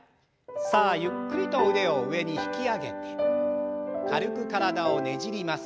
さあゆっくりと腕を上に引き上げて軽く体をねじります。